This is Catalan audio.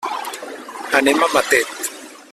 Anem a Matet.